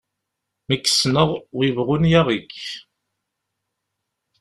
Mi k-ssneɣ, wi ibɣun yaɣ-ik!